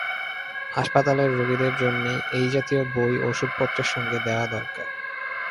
হাসপাতালের রুগীদের জন্যে এই জাতীয় বই অষুধপত্রের সঙ্গে দেওয়া দরকার।